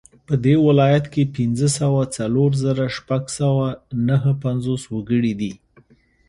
په دې ولایت کې پنځه سوه څلور زره شپږ سوه نهه پنځوس وګړي دي